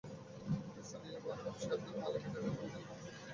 স্থানীয় বালু ব্যবসায়ী আবদুল মালেক ডাকাতির অভিযোগে এঁদের বিরুদ্ধে মামলা করেন।